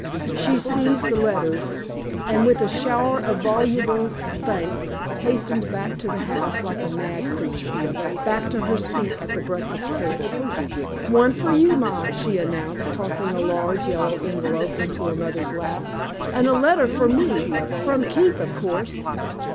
She seized the letters, and with a shower of voluble thanks hastened back to the house like a mad creature back to her seat at the breakfast table. "One for you, ma," she announced, tossing a large yellow envelope into her mother's lap, "and a letter for me from Keith, of course."